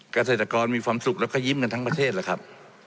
เกษตรกรมีความสุขแล้วก็ยิ้มกันทั้งประเทศแล้วครับ